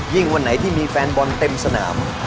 วันไหนที่มีแฟนบอลเต็มสนาม